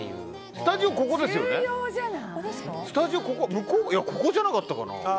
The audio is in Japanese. スタジオ、ここじゃなかったかな。